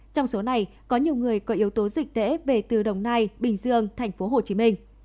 trong số này có nhiều người có yếu tố dịch tễ về từ đồng nai bình dương tp hcm